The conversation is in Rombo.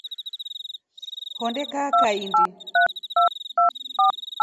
Honde kaa kahindu.